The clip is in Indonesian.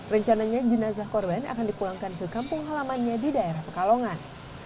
rencananya jenazah korban akan dipulangkan ke kampung halamannya di daerah pekalongan